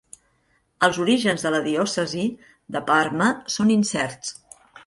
Els orígens de la diòcesi de Parma són incerts.